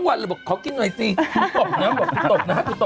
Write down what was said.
บางเรื่องเขาก็อาจจะไม่อยากเล่าไหมจมูกแต่ยังบวมอยู่โถ่